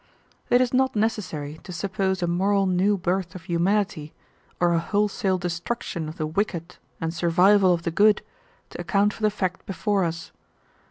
It is not necessary to suppose a moral new birth of humanity, or a wholesale destruction of the wicked and survival of the good, to account for the fact before us.